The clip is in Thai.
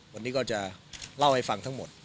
วันนี้ก็จะเล่าให้ฟังทั้งหมด